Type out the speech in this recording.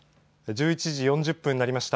１１時４０分になりました。